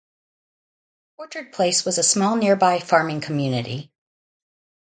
Orchard Place was a small nearby farming community.